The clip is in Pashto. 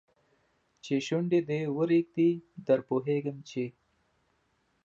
چې شونډي دې ورېږدي در پوهېږم چې